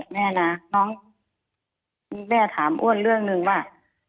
แม่ถามอ้วนเรื่องหนึ่งว่า